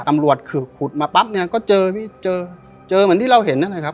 ตำรวจคือขุดมาปั๊บเนี่ยก็เจอพี่เจอเจอเหมือนที่เราเห็นนั่นแหละครับ